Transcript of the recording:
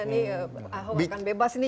ini ahok akan bebas ini